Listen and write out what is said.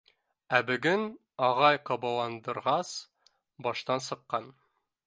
Ә бөгөн ағай ҡабаландырғас, баштан сыҡҡан.